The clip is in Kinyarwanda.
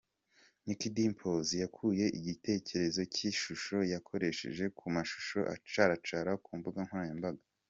Nick Dimpoz yakuye igitekerezo cy’ishusho yakoresheje ku mashusho acaracara ku mbuga nkoranyambaga.